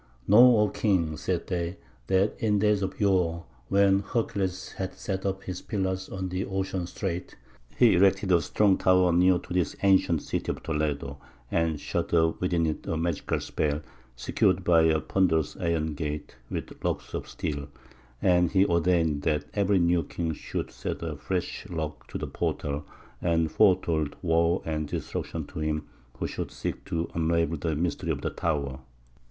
"Know, O king," said they, "that in days of yore, when Hercules had set up his pillars at the ocean strait, he erected a strong tower near to this ancient city of Toledo, and shut up within it a magical spell, secured by a ponderous iron gate with locks of steel; and he ordained that every new king should set a fresh lock to the portal, and foretold woe and destruction to him who should seek to unravel the mystery of the tower.